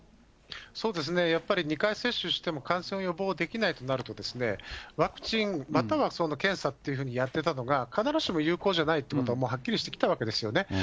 そうですね、やっぱり２回接種しても感染を予防できないとなると、ワクチン、または検査っていうふうにやってたのが、必ずしも有効じゃないということは、はっきりしてきたわけですよね。